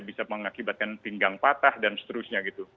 bisa mengakibatkan pinggang patah dan seterusnya gitu